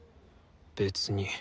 別に。